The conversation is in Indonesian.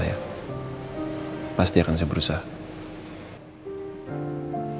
saya pasti akan berusaha untuk menghilangkan dendam saya